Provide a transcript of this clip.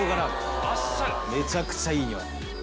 めちゃくちゃいい匂い。